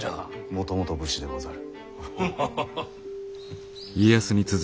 もともと武士でござる。